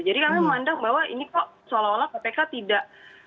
jadi kami memandang bahwa ini kok seolah olah kpk tidak